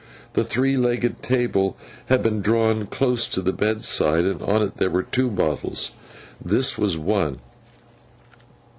The three legged table had been drawn close to the bedside, and on it there were two bottles. This was one.